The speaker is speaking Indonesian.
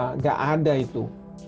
tidak ada itu